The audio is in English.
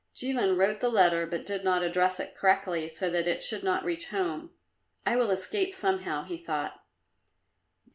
Jilin wrote the letter, but did not address it correctly, so that it should not reach home. "I will escape, somehow," he thought.